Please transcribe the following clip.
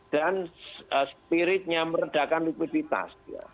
dan spiritnya meredakan likuiditas